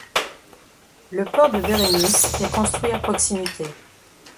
Le port de Bérénice est construit à proximité.